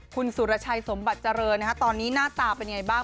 คุณสุรชัยสมบัติเจริญตอนนี้หน้าตาเป็นยังไงบ้าง